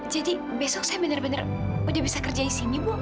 jadi besok saya bener bener udah bisa kerja disini bu